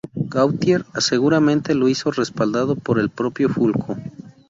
Gautier seguramente lo hizo respaldado por el propio Fulco.